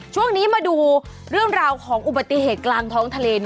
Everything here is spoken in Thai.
ช่วงนี้มาดูเรื่องราวของอุบัติเหตุกลางท้องทะเลหน่อย